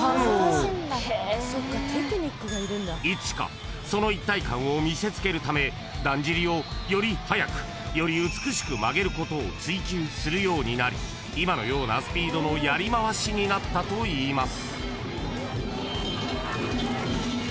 ［いつしかその一体感を見せつけるためだんじりをより速くより美しく曲げることを追求するようになり今のようなスピードのやりまわしになったといいます］